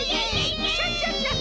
クシャシャシャ！